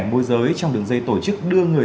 môi giới trong đường dây tổ chức đưa người